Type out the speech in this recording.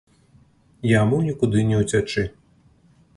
Яму нікуды не ўцячы.